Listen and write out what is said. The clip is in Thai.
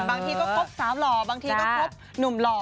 บางทีก็ครบสาวหล่อบางทีก็ครบหนุ่มหล่อ